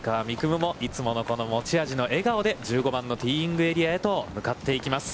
夢もいつものこの持ち味の笑顔で１５番のティーイングエリアへと向かっていきます。